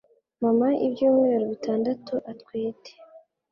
mama ibyumweru bitandatu atwite